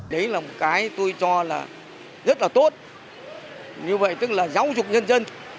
đấy là một cái tôi cho là rất là tốt như vậy tức là giáo dục nhân dân